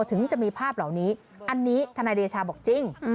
ถึงจะมีภาพเหล่านี้อันนี้ทนายเดชาบอกจริง